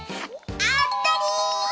あったり！